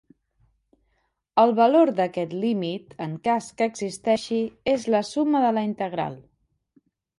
El valor d'aquest límit, en cas que existeixi, és la suma de la integral.